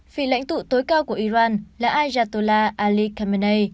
vị lãnh tụ tối cao của iran là ayatollah ali khamenei